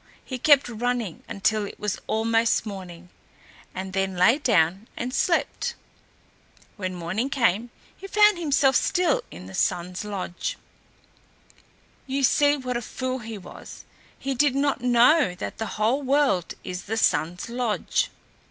He kept running until it was almost morning, and then lay down and slept. When morning came he found himself still in the Sun's lodge. You see what a fool he was; he did not know that the whole world is the Sun's lodge.